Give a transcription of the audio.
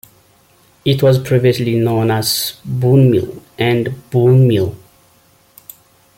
It was previously known as "Boone Mill" and "Boon Mill".